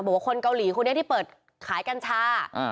บอกว่าคนเกาหลีคนนี้ที่เปิดขายกัญชา